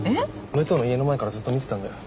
武藤の家の前からずっと見てたんだよ。